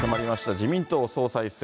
自民党総裁選。